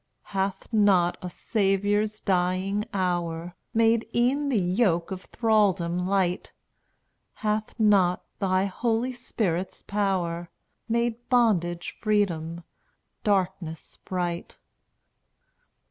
Hath not a Saviour's dying hour Made e'en the yoke of thraldom light? Hath not thy Holy Spirit's power Made bondage freedom? darkness bright?